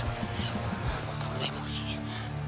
gua tau emosi